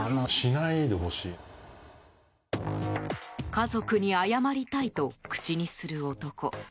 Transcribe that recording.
家族に謝りたいと口にする男。